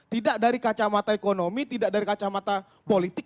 tidak dari kacamata ekonomi tidak dari kacamata politik